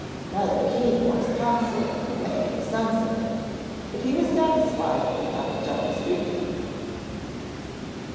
Neither he nor his council could make any sense of it, but he was satisfied with having done his duty.